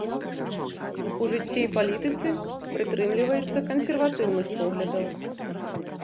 У жыцці і палітыцы прытрымліваецца кансерватыўных поглядаў.